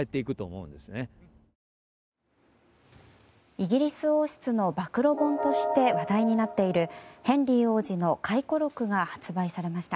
イギリス王室の暴露本として話題になっているヘンリー王子の回顧録が発売されました。